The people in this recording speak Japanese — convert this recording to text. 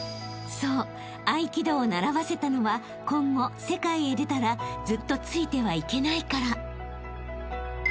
［そう合気道を習わせたのは今後世界へ出たらずっとついてはいけないから］